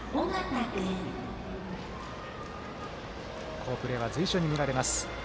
好プレーは随所に見られます。